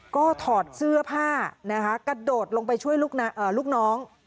ก็ถอดเสื้อผ้านะคะกระโดดลงไปช่วยลูกน้อง